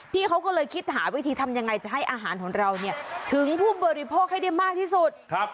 เขาก็เลยคิดหาวิธีทำยังไงจะให้อาหารของเราเนี่ยถึงผู้บริโภคให้ได้มากที่สุด